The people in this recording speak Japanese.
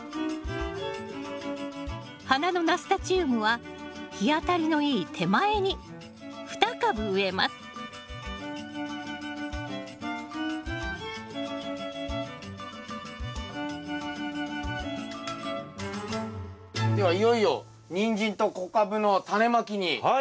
花のナスタチウムは日当たりのいい手前に２株植えますではいよいよニンジンと小カブのタネまきにまいりますけど。